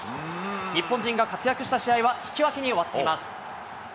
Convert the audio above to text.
日本人が活躍した試合は引き分けに終わっています。